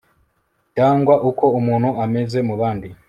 cyangwa uko umuntu ameze mu bandi